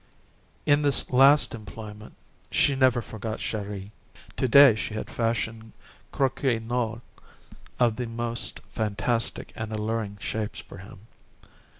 In this last employment she never forgot Chéri. To day she had fashioned croquignoles of the most fantastic and alluring shapes for him.